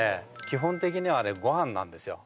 基本的にはあれご飯なんですよ